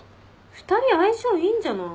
２人相性いいんじゃない？